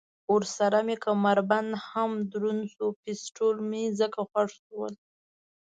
ورسره مې کمربند هم دروند شو، پېسټول مې ځکه خوښ شول.